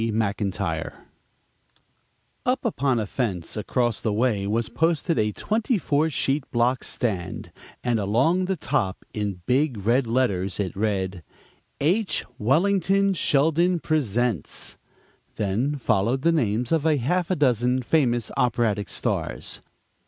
McINTYRE Upon a fence across the way was posted a "twenty four sheet block stand," and along the top, in big red letters, it read: "H. Wellington Sheldon Presents" Then followed the names of a half dozen famous operatic stars.